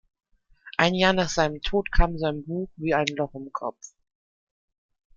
Ein Jahr nach seinem Tod kam sein Buch "Wie ein Loch im Kopf.